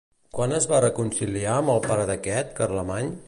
Quan es va reconciliar amb el pare d'aquest, Carlemany?